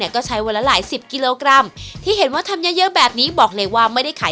ขออนุญาตครับ